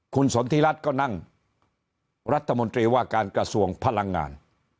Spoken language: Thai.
คุณสนทิรัฐก็นั่งรัฐมนตรีว่าการกระทรวงพลังงาน